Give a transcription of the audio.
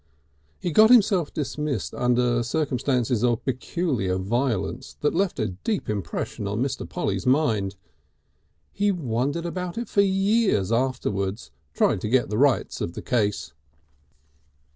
He got himself dismissed under circumstances of peculiar violence, that left a deep impression on Mr. Polly's mind. He wondered about it for years afterwards, trying to get the rights of the case.